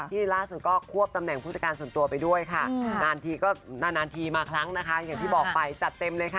ที่ล่าสุดก็ควบตำแหน่งผู้จัดการส่วนตัวไปด้วยค่ะนานทีก็นานทีมาครั้งนะคะอย่างที่บอกไปจัดเต็มเลยค่ะ